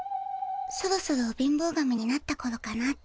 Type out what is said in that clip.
そろそろ貧乏神になったころかなって。